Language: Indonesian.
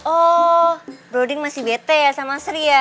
oh boroding masih bete sama sri ya